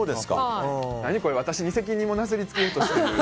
何これ、私に責任をなすり付けようとしてる？